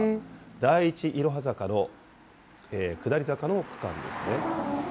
第一いろは坂の下り坂の区間ですね。